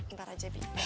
ntar aja bi